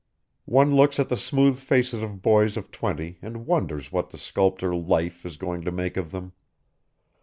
One looks at the smooth faces of boys of twenty and wonders what the sculptor Life is going to make of them.